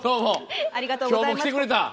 今日も来てくれた。